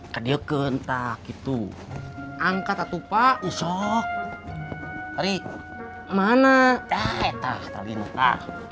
kadiokun tak itu angkat atuh pak usok hari mana